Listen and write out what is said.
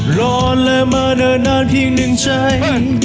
หลอนเรื่องมาโดยนานเพียงหนึ่งใจ